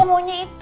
aku maunya itu